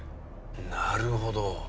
なるほど。